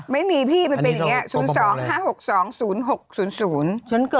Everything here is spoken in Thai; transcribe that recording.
ไม่มีพี่มันเป็นอย่างนี้สูญสองห้าหกสองศูนย์หกศูนย์ศูนย์